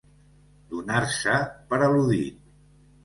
Donar-se per al·ludit.